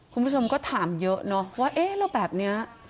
คุณผู้ชมก็ถามเยอะเนอะว่าเอ๊ะแล้วแบบนี้